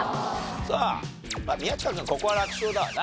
さあ宮近君ここは楽勝だわな。